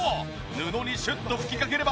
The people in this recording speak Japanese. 布にシュッと拭きかければ。